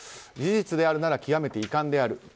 事実であるなら極めて遺憾である。